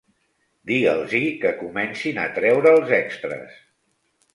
Diga'ls-hi que comencin a treure els extres.